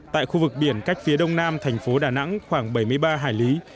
tại khu vực biển cách phía đông nam thành phố đà nẵng khoảng bảy mươi ba hải lý